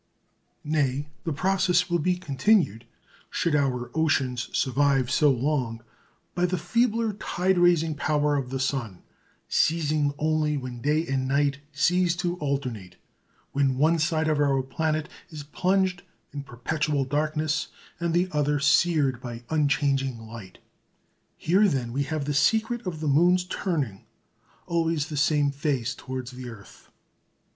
Nay, the process will be continued should our oceans survive so long by the feebler tide raising power of the sun, ceasing only when day and night cease to alternate, when one side of our planet is plunged in perpetual darkness and the other seared by unchanging light. Here, then, we have the secret of the moon's turning always the same face towards the earth.